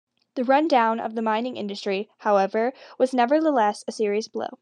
The run-down of the mining industry, however, was nevertheless a serious blow.